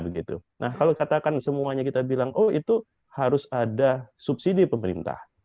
nah kalau katakan semuanya kita bilang oh itu harus ada subsidi pemerintah